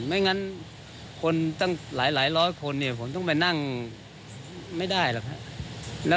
ไม่งั้นคนตั้งหลายร้อยคนเนี่ยผมต้องไปนั่งไม่ได้หรอกครับ